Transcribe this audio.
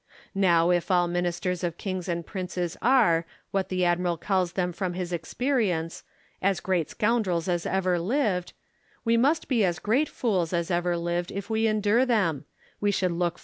ISTow if all ministers of kings and princes are, what the admiral calls them from his experience, " as great scoundrels as ever lived," we must be as great fools as ever lived if we endure them : we should look for others.